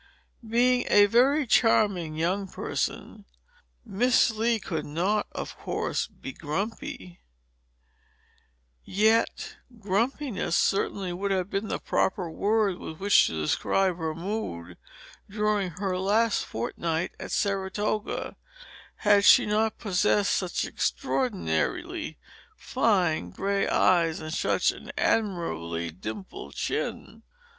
Being a very charming young person, Miss Lee could not, of course, be grumpy; yet grumpiness certainly would have been the proper word with which to describe her mood during her last fortnight at Saratoga had she not possessed such extraordinarily fine gray eyes and such an admirably dimpled chin.